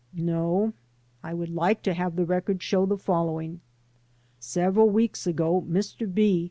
"No, I would like to have the record show the following : Several weeks ago Mr. B.